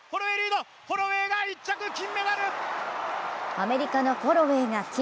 アメリカのホロウェイが金。